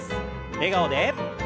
笑顔で。